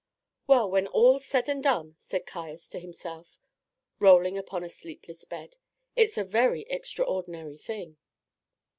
"Well, when all's said and done," said Caius to himself, rolling upon a sleepless bed, "it's a very extraordinary thing."